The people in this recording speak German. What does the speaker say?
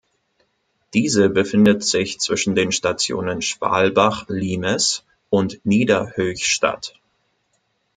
Diese befindet sich zwischen den Stationen "Schwalbach Limes" und "Niederhöchstadt".